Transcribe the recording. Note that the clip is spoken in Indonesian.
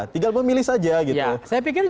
tinggal memilih saja gitu ya saya pikirnya